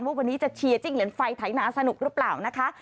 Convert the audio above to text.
ว่าวันนี้จะั่นไฟท้ายหนาสนุกรึเปล่านะคะ